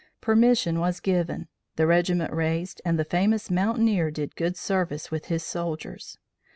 Permission was given, the regiment raised and the famous mountaineer did good service with his soldiers.